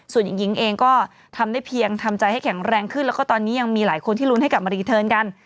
ส่วนหญิงเองก็ทำได้เพียงทำใจให้แข็งแรงขึ้นแล้วก็ตอนนี้ยังมีหลายคนที่ลุ้นให้กลับมารีเทิร์นกัน